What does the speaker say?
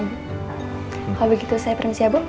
kalau begitu saya permisi ya bu